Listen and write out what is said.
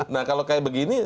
nah kalau kayak begini